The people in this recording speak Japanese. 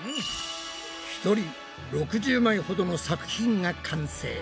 １人６０枚ほどの作品が完成。